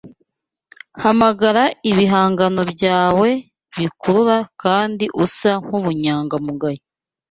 Hamagara ibihangano byawe bikurura kandi usa nkubunyangamugayo